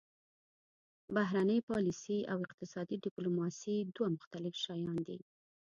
بهرنۍ پالیسي او اقتصادي ډیپلوماسي دوه مختلف شیان دي